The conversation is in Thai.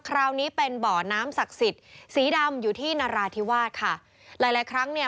คราวนี้เป็นบ่อน้ำศักดิ์สิทธิ์สีดำอยู่ที่นราธิวาสค่ะหลายหลายครั้งเนี่ย